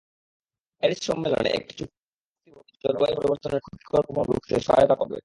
Paris সম্মেলনে একটি চুক্তি ভবিষ্যতে জলবায়ু পরিবর্তনের ক্ষতিকর প্রভাব রুখতে সহায়তা করবে।